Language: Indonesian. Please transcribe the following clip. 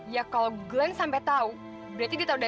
dua empat tiga ya